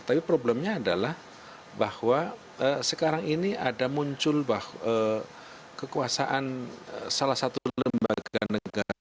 tapi problemnya adalah bahwa sekarang ini ada muncul kekuasaan salah satu lembaga negara